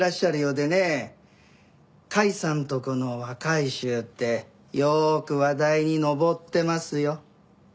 「甲斐さんとこの若い衆」ってよーく話題に上ってますよ。